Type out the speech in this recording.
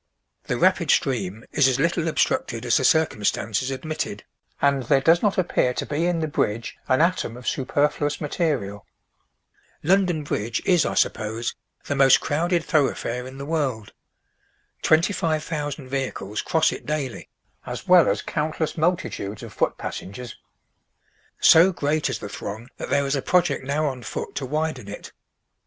The rapid stream is as little obstructed as the circumstances admitted, and there does not appear to be in the bridge an atom of superfluous material. London Bridge is, I suppose, the most crowded thoroughfare in the world. Twenty five thousand vehicles cross it daily, as well as countless multitudes of foot passengers. So great is the throng, that there is a project now on foot to widen it.